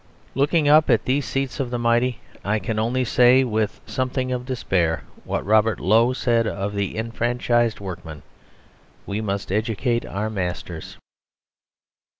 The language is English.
Looking up at these seats of the mighty I can only say, with something of despair, what Robert Lowe said of the enfranchised workmen: "We must educate our masters."